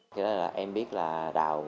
cái này là em biết là đào